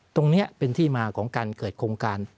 ตรงนี้เป็นที่มาของการเกิดโครงการ